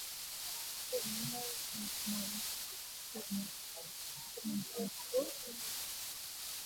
Cùng nhau dệt mộng tình trường ước mơ.